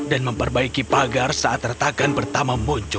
dan memperbaiki pagar saat retakan pertama muncul